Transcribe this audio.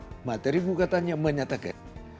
bahwa konsesi yang sudah ditanda tanganin oleh menteri perhubungan